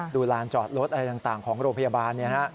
ดูลานจอดรถอะไรต่างของโรงพยาบาลเนี่ยฮะ